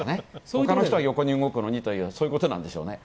ほかの人は横に動くのにという、そういうことなんでしょうね。